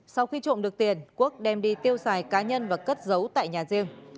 sau khi trộm được tiền quốc đem đi tiêu xài cá nhân và cất giấu tại nhà riêng